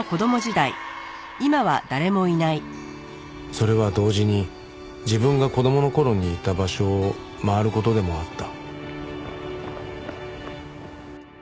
それは同時に自分が子供の頃にいた場所を回る事でもあった